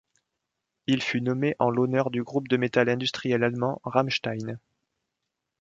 Il fut nommé en l’honneur du groupe de metal industriel allemand Rammstein.